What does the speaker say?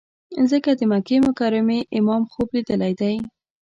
ځکه د مکې مکرمې امام خوب لیدلی دی.